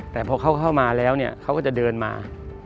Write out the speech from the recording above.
แต่พอเขาเข้ามาแล้วเนี่ยเขาก็จะเดินมา